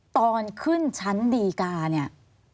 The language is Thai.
ตอนขึ้นชั้นดีกาเนี่ย